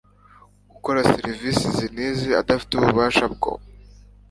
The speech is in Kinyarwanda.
gukora serivisi izi n izi adafite ububasha bwo